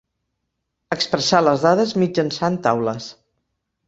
Expressar les dades mitjançant taules.